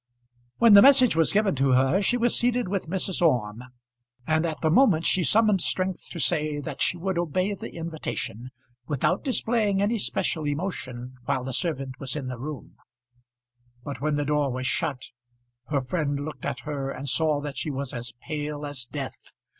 When the message was given to her she was seated with Mrs. Orme, and at the moment she summoned strength to say that she would obey the invitation, without displaying any special emotion while the servant was in the room; but when the door was shut, her friend looked at her and saw that she was as pale as death.